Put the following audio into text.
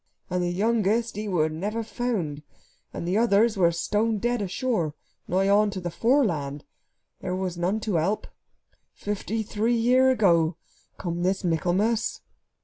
And the youngest, he never was found; and the others was stone dead ashore, nigh on to the Foreland. There was none to help. Fifty three year ago come this Michaelmas."